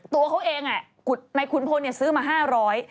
ตัวเขาเองในขุนพลซื้อมา๕๐๐บาท